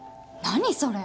・何それ。